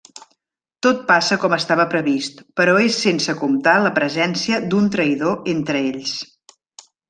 Tot passa com estava previst però és sense comptar la presència d'un traïdor entre ells.